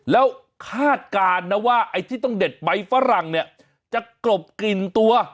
แล้วคาดการณ์นะว่าไอ้ที่ต้องเด็ดใบฝรั่งเนี่ยจะกลบกลิ่นตัว